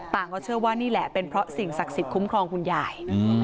ก็เชื่อว่านี่แหละเป็นเพราะสิ่งศักดิ์สิทธิคุ้มครองคุณยาย